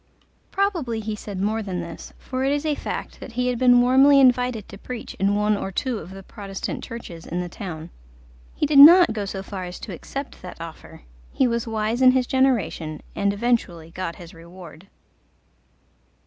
Probably he said more than this: for it is a fact that he had been warmly invited to preach in one or two of the Protestant churches in the town. He did not go so far as to accept that offer: he was wise in his generation, and eventually got his reward.